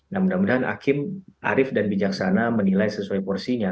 nah mudah mudahan hakim arief dan bijaksana menilai sesuai porsinya